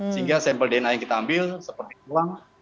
sehingga sampel dna yang kita ambil seperti uang